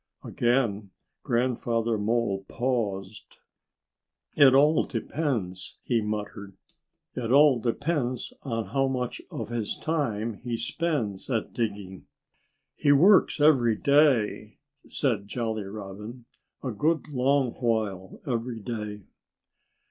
Again Grandfather Mole paused. "It all depends," he muttered. "It all depends on how much of his time he spends at digging." "He works every day," said Jolly Robin. "A good, long while every day!"